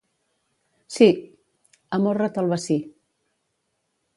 —Sí. / —Amorra't al bací.